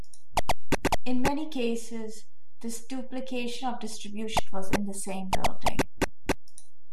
In many cases, this duplication of distribution was in the same building.